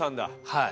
はい。